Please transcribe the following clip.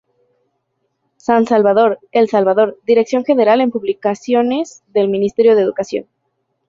San Salvador, El Salvador: Dirección General de Publicaciones del Ministerio de Educación.